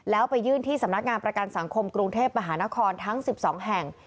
แล้วไปยื่นที่สำนักงานประกันสังคมกรุงเทพมหานครทั้ง๑๒แห่ง